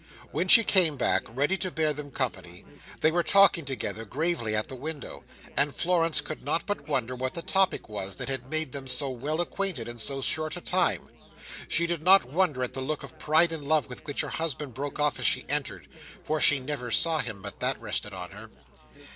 When she came back, ready to bear them company, they were talking together, gravely, at the window; and Florence could not but wonder what the topic was, that had made them so well acquainted in so short a time. She did not wonder at the look of pride and love with which her husband broke off as she entered; for she never saw him, but that rested on her.